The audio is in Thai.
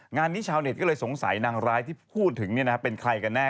งานนี้ชาวเน็ตก็เลยสงสัยนางร้ายที่พูดถึงเป็นใครกันแน่